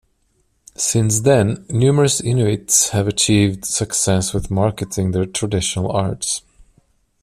Since then, numerous Inuit have achieved success with marketing their traditional arts.